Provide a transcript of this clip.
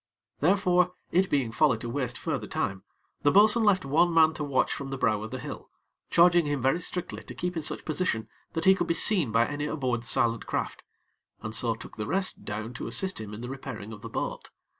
Therefore, it being folly to waste further time, the bo'sun left one man to watch from the brow of the hill, charging him very strictly to keep in such position that he could be seen by any aboard the silent craft, and so took the rest down to assist him in the repairing of the boat.